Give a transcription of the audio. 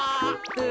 え！